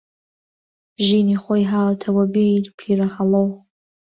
ژینی خۆی هاتەوە بیر پیرەهەڵۆ